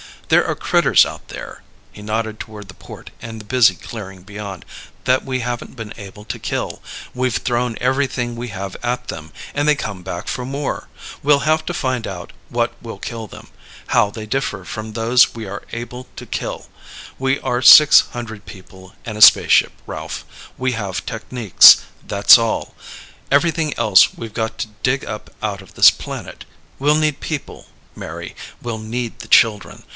There are critters out there " he nodded toward the port and the busy clearing beyond "that we haven't been able to kill. We've thrown everything we have at them, and they come back for more. We'll have to find out what will kill them how they differ from those we are able to kill. We are six hundred people and a spaceship, Ralph. We have techniques. That's all. Everything else we've got to dig up out of this planet. We'll need people, Mary; we'll need the children.